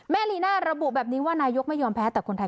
ลีน่าระบุแบบนี้ว่านายกไม่ยอมแพ้แต่คนไทย